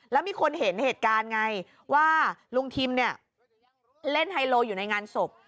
แล้วมีคนเห็นเหตุการณ์ไงว่าลุงทิมเนี่ยเล่นไฮโลอยู่ในงานศพ